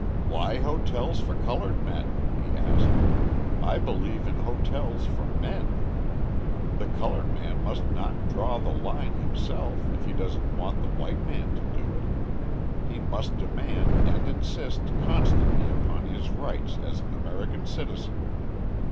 "Why hotels for coloured men?" he asked. "I believe in hotels for men. The coloured man must not draw the line himself if he doesn't want the white man to do it. He must demand and insist constantly upon his rights as an American citizen."